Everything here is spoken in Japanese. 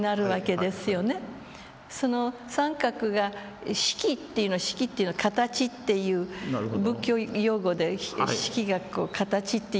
その三角が色っていうの色っていうのは形っていう仏教用語で色が形という意味ですよね。